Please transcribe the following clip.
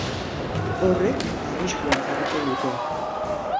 Horrek arriskuan jarriko luke.